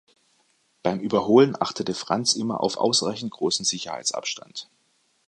Beim Überholen achtete Franz immer auf ausreichend großen Sicherheitsabstand.